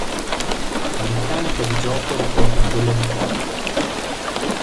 La meccanica di gioco ricorda quella di Pong.